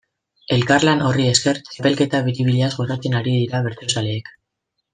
Elkarlan horri esker, txapelketa biribilaz gozatzen ari dira bertsozaleak.